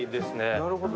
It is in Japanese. なるほど。